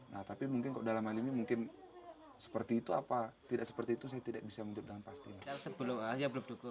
nah tapi mungkin kok dalam hal ini mungkin seperti itu apa tidak seperti itu saya tidak bisa menjawab dengan pasti